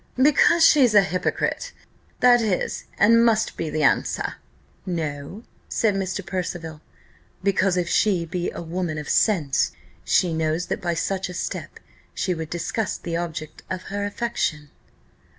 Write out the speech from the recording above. "Because she's a hypocrite. That is and must be the answer." "No," said Mr. Percival; "because, if she be a woman of sense, she knows that by such a step she would disgust the object of her affection."